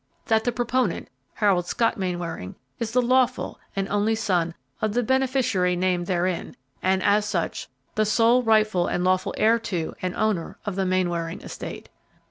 That the proponent, Harold Scott Mainwaring, is the lawful and only son of the beneficiary named therein, and as such the sole rightful and lawful heir to and owner of the Mainwaring estate.